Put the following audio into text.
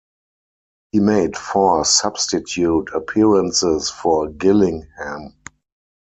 He made four substitute appearances for Gillingham.